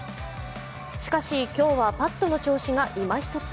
しかし、今日はパットの調子が今ひとつ。